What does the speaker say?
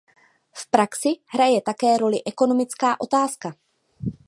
V praxi hraje také roli ekonomická otázka.